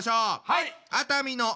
はい！